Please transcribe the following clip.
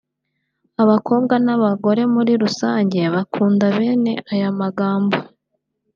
Abakobwa n'abagore muri rusange bakunda bene aya magambo